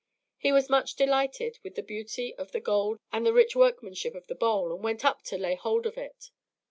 He was much delighted with the beauty of the gold and the rich workmanship of the bowl and went up to lay hold of it.